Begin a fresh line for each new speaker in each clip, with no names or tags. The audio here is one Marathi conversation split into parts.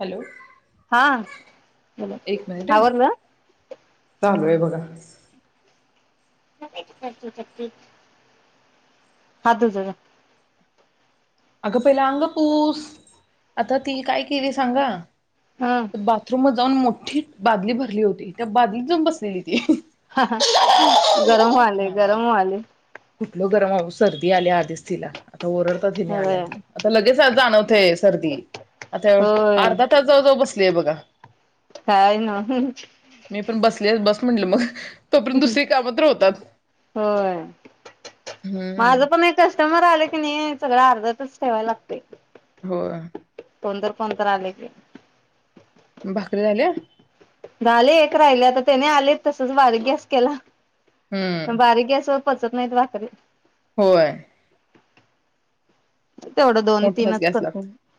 हॅलो
हा.
एक मिनिट आहे
आवरलं
चालू आहे बघा
[unintelligible]
अगं पहिला अंग पूस आता ती काय केली सांगा
हं
बाथरूम जाऊन मो बादली भरली होती त्या बादलीत जावून बसाय
गरम व्हालय, गरम व्हालय
कुठल गरम अहो सर्दी आल्या आधीच तिला आता ओरल त्यांनी
होय
आल्यात आता लगे [unintelligible] होतंय सर्दी आता
होय
अर्ध तास जवळ जवळ बसली बघा
काय नव्ह
मी पण बस ते बस म्हटलं मग तोपर्यंत दुसरी कामं तर होतात
होय माझ
हम्म
पण एक कस्टमर आल सगळ अर्धातच ठेवायला लागतय.
होय.
कोण तर कोण तर आल की
भाकरी झाल्या?
आले एक राहिले आता त्याने आलेत तसच बारिक गॅस केला.
हम्म
बारीक गॅसवर पचत नाहीत भाकरी
होय.
तेवढं दोन
मोठ्याच
तीनच
गॅस
करते
लागतो.
मी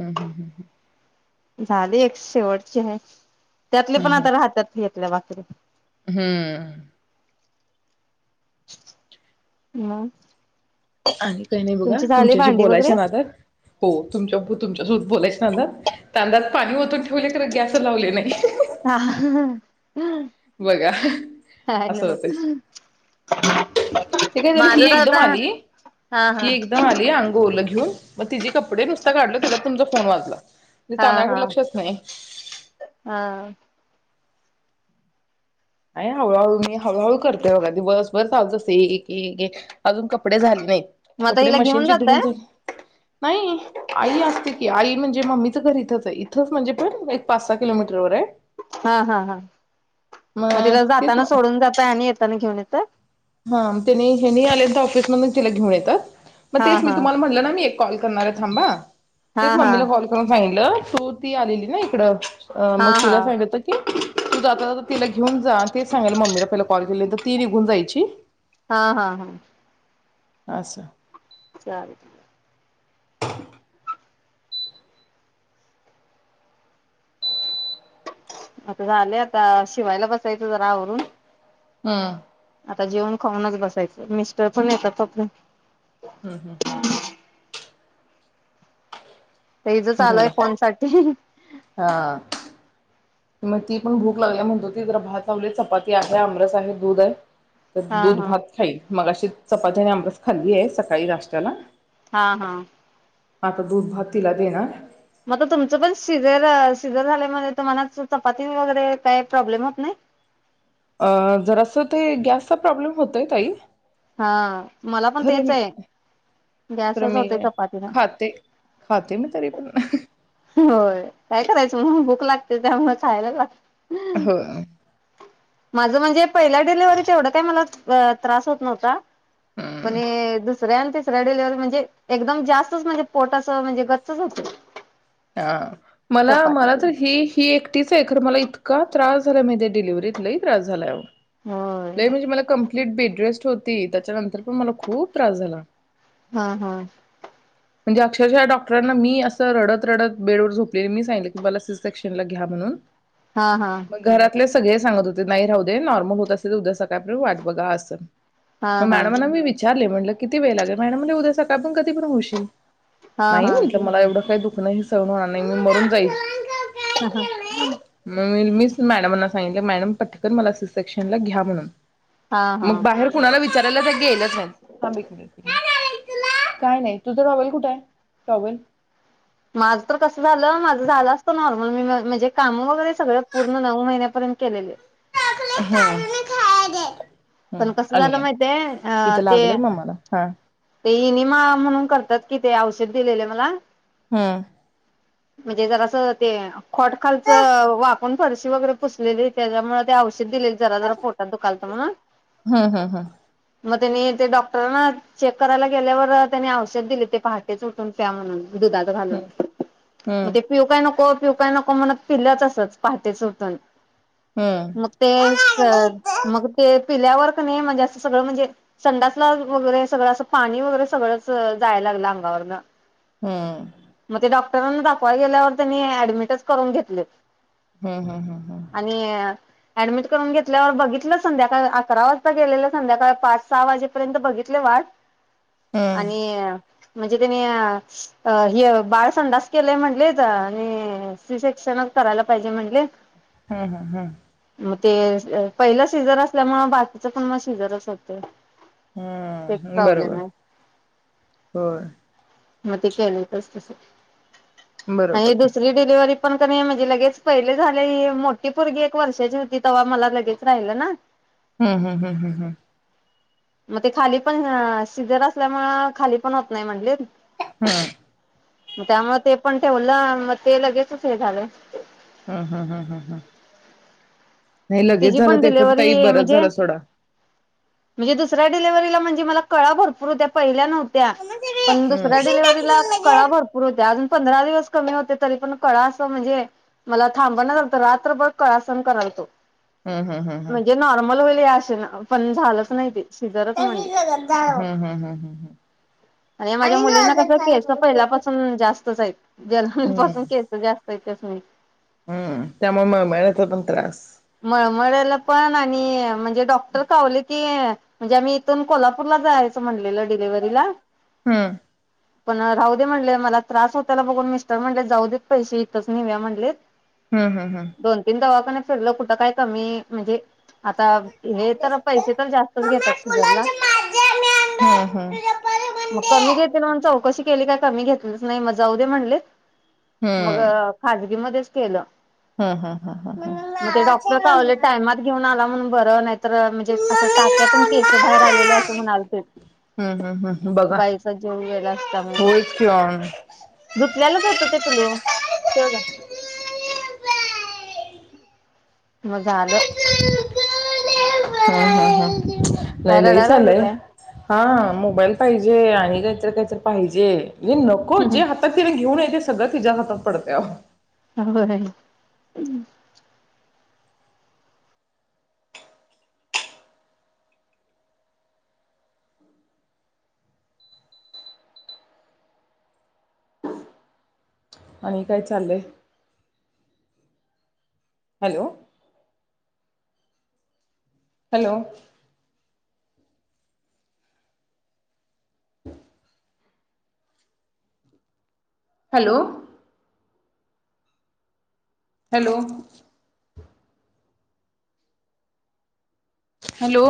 हम्म हम्म हम्म हम्
झाले एक शेवटची हाय. त्यातली
हम्म
पण
हम्म
आता राहतात. भाकरी
हम्म
मग
आणि काही नाही बघा
तुमची झाली
तुमच्याशी
भांडी
बोलायचं
वगैरे
नादात हो तुमच्या तुमच्यासोबत बोलायच नादात तांदळात पाणी ओतून ठेवले खरं गॅसच लावले नाही.
हा
बघा अस
हॅलो
होत ते काय झालं
माझं
ही
तर
एकदम
आता
आली
हा हा
ही एकदम आली अंगो लं घेवून मग तिजी कपडे नुसता काढलो तेवढ्यात तुमचा फोन वाजला. म्ह
हा हा
तांदळाकडे लक्षच नाही.
हा
आहे हळूहळू मी हळूहळू करते बघा दिवसभर चालूच असतय एक एक एक अजून कपडे झाले नाहीत.
मग आता
कपडे
हिला घेऊन
मशीनची
जातय
धुवून झा नाही आई असते की आई म्हणजे मम्मीच घर इथंच आहे. इथच म्हणजे पण एक पाच सहा किलोमीटर वर आहे.
हा हा हा मग तिला
तेच
जाताना
म
सोडून जातय आणि येताना घेऊन येताय.
हा त्यानी हेनी आल्यांत ऑफिस मधून तिला घेऊन येतात. मग
हा
तेच मी
हा
तुम्हाला म्हटलं ना मी कॉल करणार आहे थांबा.
हा
तेच
हा
मम्मीला कॉल करून सांग म्हणलं तु ती आलेली ना इकडं अ
हा
मग
हा
तिला सांगत की तू जाता-जात तिला घेऊन जा तेच सांगेल मम्मीला पहिला कॉल केलेली तर ती निघून जायची.
हा हा हा
अस
चालेल आता झालंय आता शिवायला बसायचं जरा आवरून
हम्म
आता जेवण खाऊनच बसायचं. मिस्टर पण येतात [unintelligible]
हम्म हम्म हम्म
हे हिचं चालुय
झालं
फोन साठी
हा मग ती पण भूक लागली म्हणत होती, जरा भात लावली चपाती आहे, आमरस आहे, दूध आहे तर
हा
दूध
हा
भात खाईल, मगाशी क चपाती आणि आमरस खाल्ली ये सकाळी नाष्ट्याला
हा हा
आता दूध - भात तिला देणार
मग तुमचं पण शिजर शिजर झाल्या म तुम्हाला चपाती वगैरे काही प्रॉब्लेम होत नाही?
अ जर असं ते गॅसचा प्रॉब्लेम होतोय ताई
हा मला पण
खरं
तेच
मी
आहे
खरं
गॅसच
मी
होते चपातीन,
खाते खाते मी तरी पण
होय काय करायचं म्हणून भूक लागते त्यामुळ खायलाच लाग
होय
माझं म्हणजे पहिल्या डिलेवरीत एवढं काही मला त्रास होत नव्ह ता पण
हम्म
ये दुस सऱ्या अन् तिसऱ्या डिलिव्हरीत म्हणजे एकदम जास्तच म्हणजे पोट असं गच्च होतय.
हा मला मला तर ही ही एकटीच आहे खर मला इ तका त्रास झाला माहिती ये डलिव्हरीत लई त्रास झालाय आओ
होय
लई म्हणजे मला कं कम्प्लीट बेडरेस्ट होती त्याच्यानंतर पण मला खूप त्रास झाला.
हा हा
म्हणजे अक्षरशः डॉक्टरांना मी असं रडत रडत बेडवर झोपले मी सांगितलं की मला सि सेक्शनला घ्या म्हणून
हा हा
मग घरातलेच सगळे सांगत होते नाही राहू दे नॉर्मल होत असे उद्या सकाळपर्यंत वाट बघा असं
हा
मग
हा
मॅडमना मी विचारले म्हटलं किती वेळ लागेल, मॅडम उद्या सकाळपण पण होशील
हा
नाही म्हंटलं
हा
मला एवढं काही दू खण मला सहण नाही होणार, मी मरून जाईन
[unintelligible]
मॅडमना सांगितले, मॅडम पटकन मला सी सेक्शन घ्या म्हणून.
हा
मग
हा
बाहेर कुणाला विच [unintelligible] गेलंच हा थांब एक मिनिट. काय नाही तुझं टॉवेल कुठे आहे, टॉवेल.
माझं तर कसं झालं, माझं झालं असतं नॉर्मल, मी म्हणजे काम वगैरे सगळं पूर्ण नऊ महिन्यापर्यंत चा केलेले
हम्म
पण कस झालं
आणूया
माहिते अ
इथं
ते
लागलंय मम्माला हा
ते इनिमा म्हणून करतात कि, ते औ दिलेले मला.
हा.
म्हणजे जरा असं ते. खोट खालचं वाप कोण फडशी वगैरे पुसलेली, त्याच्यामुळे ते औषध दिलेले, जरा जरा पोटात दुखल म्हण.
हा हा हा.
मग त्यांनी ते डॉक्टरांना चेक करायला गेल्यावर त्यांनी औषध दिले, ते पहाटे च उठून प्या म्हणून. दुधाच घालून मग
हम्म
ते पिऊ काय नको पिव काय नको मनात पिलंच असच पहाटे च उटून.
हम्म
मग तेच
हम्म.
मग तेच. पिल्यावर का नाही म्हणजे, असं सगळं म्हणजे, संडातला वगैरे सगळं असं, पाणी वगैरे सगळंच जाय लागलं अंगावरन.
हा.
मग ते डॉक्टरांना दाखवाय गेल्यावर त्यांनी ऍडमिटच करून घेतले.
हम्म हम्म हम्म हम्
आणि ऍडमिट करून घेतल्यावर बघितलं संध्याकाळ अकरा वाजता गेलेलं संध्याकाळ पाच सहा वाजेपर्यंत बघितले वाट
हम्म
आणि म्हणजे त्यांनी अ अ.... बाळ संडास केलाय म्हंटलेत, आणि सी शिकषणच करायला पाहिजे म्हटले.
हम् हम हम
मग ते पहिलं सीझर असल्यामुळे बाकीच पण मग सी सीझरच होत.
हम्म बरोबर होय.
मग ते केलंय तसतस आणि
बरोबर
दुसरी डिलिव्हरी पण कणी म्हणजे लगेच पहिले झाल हे मोठी पोरगी एक वर्षाची होती तेव्हा मला लगेच राहिलं ना
हम्म हम्म हम्म हम्म
मग ते खाली पण सिजर असल्यामुळे खाली पण होत नाही म्हटलीत.
हम
त्यामुळे ते पण ठेवलं मग ते लगेचच हे झालं.
हम-हम-हम्म-हम-हम
तीझी पण डिलिव्हरी म्हणजे
सोडा
म्हणजे दुसऱ्या डिलिव्हरी ला म्हणजे मला कळा भरपूर होत्या पहिल्या नव्हत्या.
हम्म
पण
हम्म हम्म हम्म हम्म
दुसऱ्या डिलिव्हरीला
हम्म
कळा भरपूर हुत्या अजू पंधरा दिवस कमी होते तरी पण कळा असं म्हणजे मला थांबण जालातं रात्रभर कळासन करालतो.
हम्म
म्हणजे नॉर्मल होईल या आशे चला आव पण झालंच नाही ते शिजरच म्हणली
हम्म हम्म हम्म
आणि माझ्या मुलींना कसं केसं पहिल्यापासून जास्तच हाईत. जन्मपासून केसं जास्त पैशेच नाई
हम्म! त्यामुळं मळमळन्याचा पण त्रास.
मळमळ्याल पण आणि म्हणजे डॉक्टर कावले की म्हणजे आम्ही इथून कोल्हापूरला जायचं म्हणलेलं डिलिव्हरीला
हम्म!
पण राहू दे म्हणले मला त्रास होत्याल बघून मिस्टर म्हणले जाऊ देेत पैसे इथंच नीव्या म्हणलेत.
हम्म हम्म हम्म
दोन तीन दवाखान्या ठरलं कुठं काय कमी म्हणजे
हम्म
आता हे
हम्म
तर पैसे तर जास्तच घेतात शिजरला. मग कमी घेतील म्हणून चौकशी केले का कमी घेतलीच नाही म जाऊ दे म्हणले. मग खाज फ्री मध्येच केलं.
हम्म-हम्म-हम्म-हम्म!
मग ते डॉक्टर कावले, टायमात घेऊन आला म्ह बरं नाही तर म्हणजे असं टाक्यातून केस बाहेर आलेलं असं म्हणालतीत.
हम्म हम्म हम्म बघा
बाईचा जीव गेला असता म्हणून.
होयच की ऑन
धुतल्यालाच होत ते पिल्लु ठेव जा. मग झालं.
[unintelligible] हम्म-हम्म-हम्म!
काय रडाय लागलंय काय?
हां मोबाईल पाहिजे आणि काहीतर काहीतर पाहिजे. हे नको जे हातात तिनं घेऊन याय हे सगळं तिज्या हातात पडतंय अहो
होय.
आणि काय चाललंय? हॅलो! हॅलो! हम. हॅलो! हॅलो! हॅलो